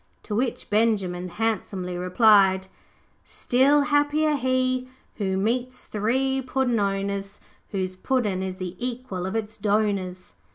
To which Benjimen handsomely replied 'Still happier he, who meets three Puddin' owners, Whose Puddin' is the equal of its donors.'